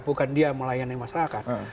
bukan dia melayani masyarakat